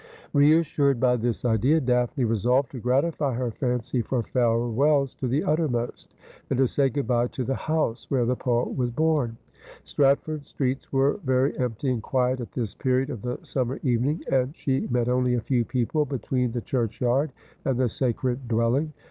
Reassured by this idea. Daphne resolved to gratify her fancy for farewells to the uttermost, and to say good bye to the house where the poet was born. Stratford streets were very empty and quiet at this period of the summer evening, and she met only a few people between the churchyard and the sacred dwell ing.